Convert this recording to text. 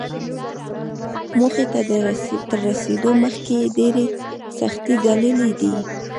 موخې ته تر رسېدو مخکې يې ډېرې سختۍ ګاللې دي.